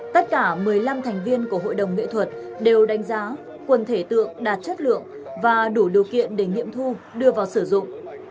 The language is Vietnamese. tất cả một mươi năm thành viên của hội đồng nghệ thuật đều đánh giá quần thể tượng đạt chất lượng và đủ điều kiện để nghiệm thu đưa vào sử dụng